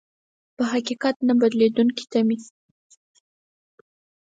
په حقيقت نه بدلېدونکې تمې.